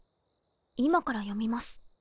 今から読みます。